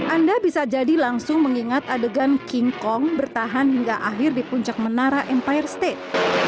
anda bisa jadi langsung mengingat adegan king kong bertahan hingga akhir di puncak menara empire state